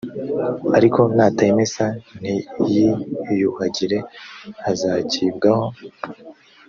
ariko natayimesa ntiyiyuhagire azagibwaho